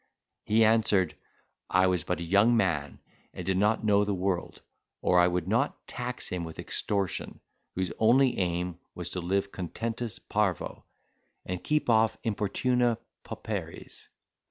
He answered, I was but a young man and did not know the world, or I would not tax him with extortion, whose only aim was to live contentus parvo, and keep off importuna pauperies.